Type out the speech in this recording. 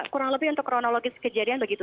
kurang lebih untuk kronologis kejadian begitu